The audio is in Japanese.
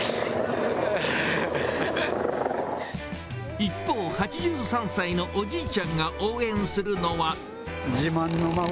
一方、８３歳のおじいちゃんが応援するのは。